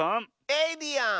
エイリアン！